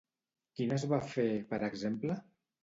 Quines va fer, per exemple?